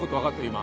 今。